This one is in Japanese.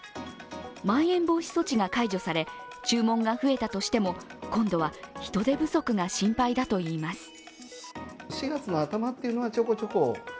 まん延防止措置が解除され、注文が増えたとしても今度は人手不足が心配だといいます。